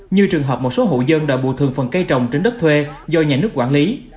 như trường hợp một số hộ dân đã bù thường phần cây trồng trên đất thuê do nhà nước quản lý